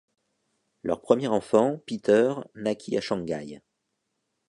Leur premier enfant, Peter, naquit à Shanghai.